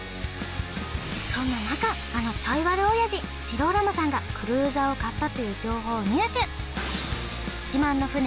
そんな中あのちょい不良オヤジジローラモさんがクルーザーを買ったという情報を入手！